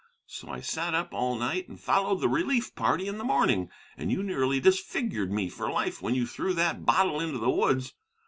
So I sat up all night, and followed the relief party in the morning, and you nearly disfigured me for life when you threw that bottle into the woods.